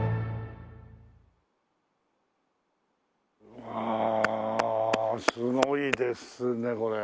うわあすごいですねこれ。